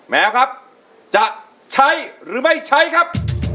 แมวครับจะใช้หรือไม่ใช้ครับ